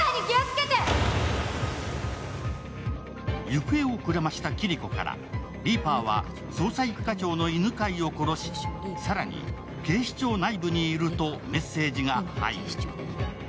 行方をくらましたキリコから、リーパーは捜査一課長の犬飼を殺し、更に、警視庁内部にいるとメッセージが入る。